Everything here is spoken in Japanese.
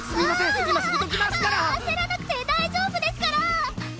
焦らなくて大丈夫ですから！